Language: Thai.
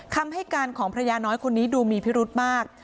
คำให้การของภรรยาน้อยคนนี้ดูมีพิรุธมาก